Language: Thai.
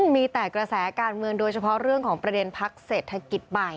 มีแต่กระแสการเมืองโดยเฉพาะเรื่องของประเด็นพักเศรษฐกิจใหม่